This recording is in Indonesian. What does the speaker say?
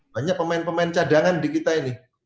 banyak pemain pemain cadangan di kita ini